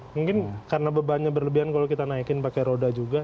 mungkin karena bebannya berlebihan kalau kita naikin pakai roda juga